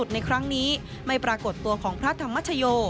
ในครั้งนี้ไม่ปรากฏตัวของพระธรรมชโย